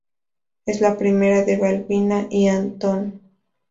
Es la prima de Balbina y Antón.